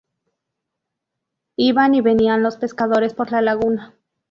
Iban y venían los pescadores por la laguna.